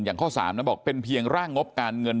อย่างข้อ๓นั้นบอกเป็นเพียงร่างงบการเงิน